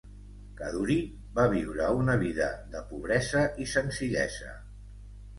Kaduri va viure una vida de pobresa i senzillesa.